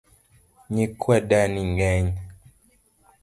Nyikwa dani ng'eny